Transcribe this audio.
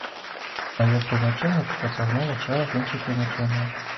Маё прызначэнне пацягнула шэраг іншых прызначэнняў.